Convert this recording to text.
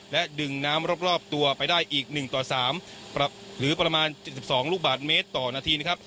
และดึงน้ำรอบรอบตัวไปได้อีกหนึ่งต่อสามหรือประมาณเจ็บสิบสองลูกบาทเมตรต่อนาทีนะครับ